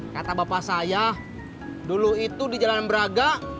kata bapak saya dulu itu di jalan braga